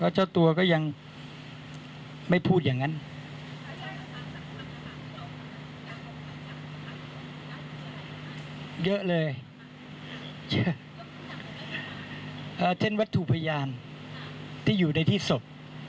เช่นวัตถุพยานที่อยู่ในที่สบ